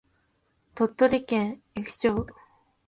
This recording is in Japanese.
鳥取県江府町